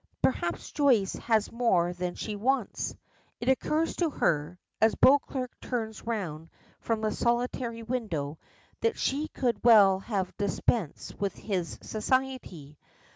Perhaps Joyce has more than she wants. It occurs to her, as Beauclerk turns round from the solitary window, that she could well have dispensed with his society.